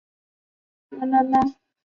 属兔科林兔属。